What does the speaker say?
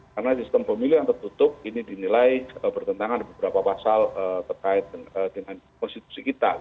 karena sistem pemilihan tertutup ini dinilai bertentangan beberapa pasal terkait dengan konstitusi kita